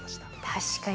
確かに。